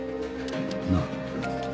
なあ。